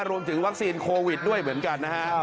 รวมถึงวัคซีนโควิดด้วยเหมือนกันนะฮะ